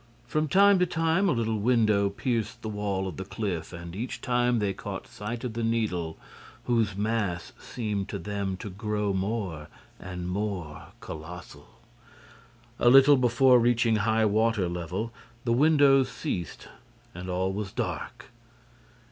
From time to time, a little window pierced the wall of the cliff; and, each time, they caught sight of the Needle, whose mass seemed to them to grow more and more colossal. A little before reaching high water level, the windows ceased and all was dark.